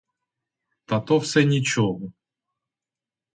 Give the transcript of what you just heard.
Та то все нічого.